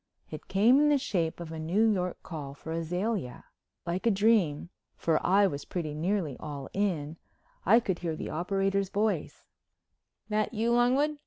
It came in the shape of a New York call for Azalea. Like a dream, for I was pretty nearly all in, I could hear the operator's voice: "That you, Longwood?